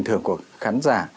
thưởng của khán giả